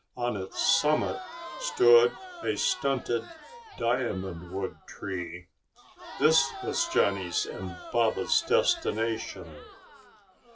On its summit, stood a stunted diamond wood tree. This was Johnny's and Baba's destination.